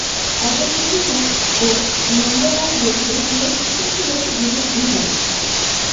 অবনীন্দ্রনাথ ও নন্দলাল বসুর প্রিয় শিষ্য ছিলেন বিনোদ বিহারী।